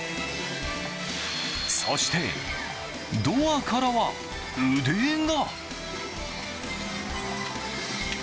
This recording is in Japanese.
そして、ドアからは腕が。